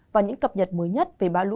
và những cập nhật mới nhất về ba lũ